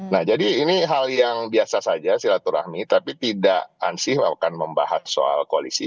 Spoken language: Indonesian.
nah jadi ini hal yang biasa saja silaturahmi tapi tidak ansih melakukan membahas soal koalisi